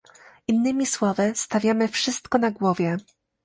Innymi słowy, stawiamy wszystko na głowie